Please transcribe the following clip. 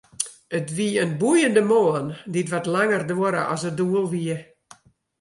It wie in boeiende moarn, dy't wat langer duorre as it doel wie.